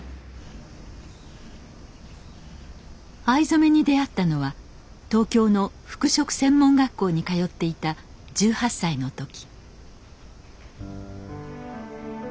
藍染めに出会ったのは東京の服飾専門学校に通っていた１８歳の時。